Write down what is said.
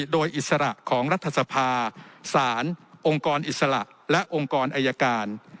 โดยอิสระของรัฐสภาสารองค์กรอิสระและองค์กรอายการ